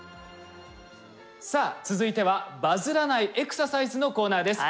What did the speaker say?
さあ続いてはバズらないエクササイズのコーナーです。